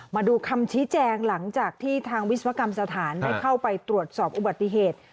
มาดูคำชี้แจงหลังจากที่ทางวิศวกรรมสถานได้เข้าไปตรวจสอบอุบัติเหตุ